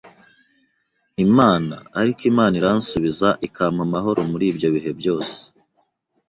Imana, ariko Imana iransubiza ikampa amahoro muri ibyo bihe byose.